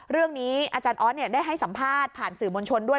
เรื่องนี้อาจารย์ออสได้ให้สัมภาษณ์ผ่านสื่อมวลชนด้วย